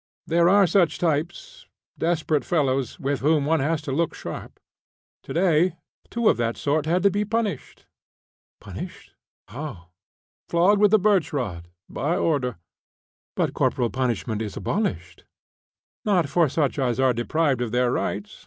There are such types desperate fellows, with whom one has to look sharp. To day two of that sort had to be punished." "Punished? How?" "Flogged with a birch rod, by order." "But corporal punishment is abolished." "Not for such as are deprived of their rights.